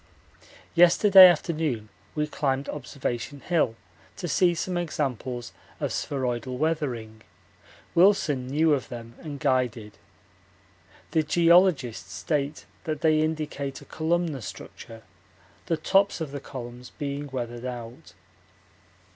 Yesterday afternoon we climbed Observation Hill to see some examples of spheroidal weathering Wilson knew of them and guided. The geologists state that they indicate a columnar structure, the tops of the columns being weathered out.